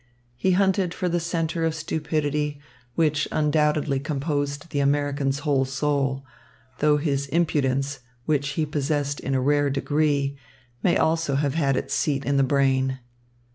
He hunted for the centre of stupidity, which undoubtedly composed the American's whole soul, though his impudence, which he possessed in a rare degree, may also have had its seat in the brain.